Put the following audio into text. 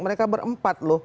mereka berempat loh